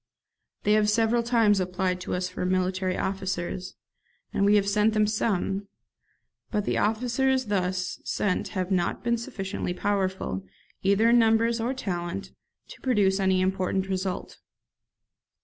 They have several times applied to us for artillery officers, and we have sent them some; but the officers thus sent have not been sufficiently powerful, either in numbers or talent, to produce any important result.